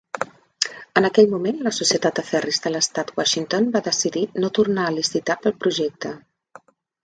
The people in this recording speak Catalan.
En aquell moment, la societat de ferris de l'estat de Washington va decidir no tornar a licitar pel projecte.